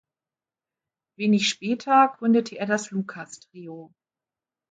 Wenig später gründete er das Lucas Trio.